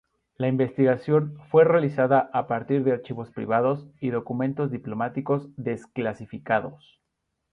La investigación fue realizada a partir de archivos privados y documentos diplomáticos desclasificados.